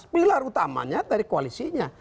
pilar utamanya dari koalisinya